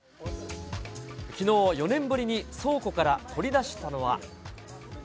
きのう、４年ぶりに倉庫から取り出したのは。